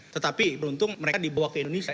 tetapi beruntung mereka dibawa ke indonesia